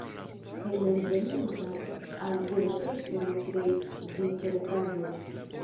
Hejmenveninta al Budapeŝto li kreis disertaĵon.